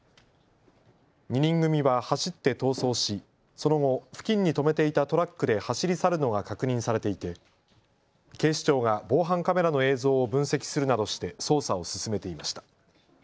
２人組は走って逃走しその後、付近に止めていたトラックで走り去るのが確認されていて警視庁が防犯カメラの映像を分析するなどして捜査を進めていました。